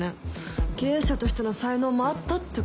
経営者としての才能もあったってことだ。